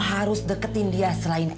kamu bisa bales dendam atas kematian bapak